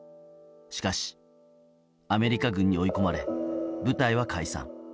しかし、アメリカ軍に追い込まれ部隊は解散。